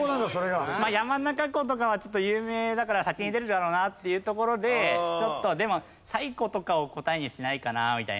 まあ山中湖とかは有名だから先に出るだろうなっていうところででも西湖とかを答えにしないかなみたいな。